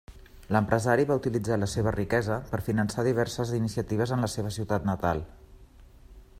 L'empresari va utilitzar la seva riquesa per finançar diverses iniciatives en la seva ciutat natal.